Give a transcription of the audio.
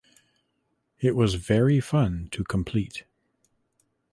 It was very fun to complete.